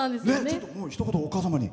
ひと言、お母様に。